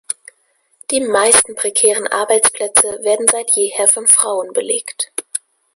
Die meisten prekären Arbeitsplätze werden seit jeher von Frauen belegt.